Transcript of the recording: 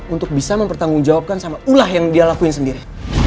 untuk bisa mempertanggungjawabkan sama ulah yang dia lakuin sendiri